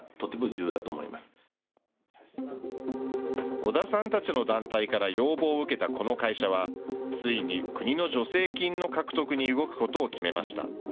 織田さんたちの団体から要望を受けたこの会社は、ついに国の助成金の獲得に動くことを決めました。